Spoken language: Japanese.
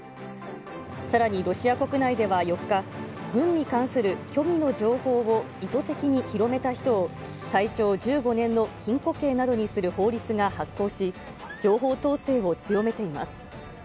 さらにロシア国内では４日、軍に関する虚偽の情報を意図的に広めた人を、最長１５年の禁錮刑などにする法律が発効し、情報統制を強めています。